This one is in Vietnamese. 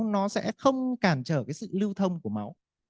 nó sẽ không cản trở cái sự lưu thông của máu